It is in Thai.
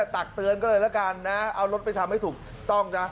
ตักเตือนก็เลยละกันนะเอารถไปทำให้ถูกต้องซะ